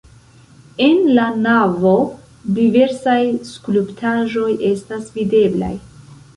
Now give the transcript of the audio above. En la navo diversaj skulptaĵoj estas videblaj.